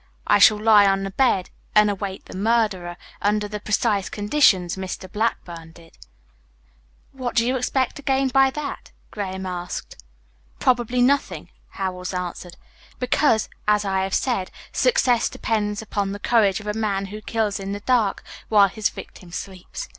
"I shall lie on the bed and await the murderer under the precise conditions Mr. Blackburn did." "What do you expect to gain by that?" Graham asked. "Probably nothing," Howells answered, "because, as I have said, success depends upon the courage of a man who kills in the dark while his victim sleeps.